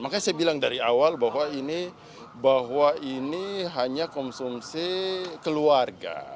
makanya saya bilang dari awal bahwa ini hanya konsumsi keluarga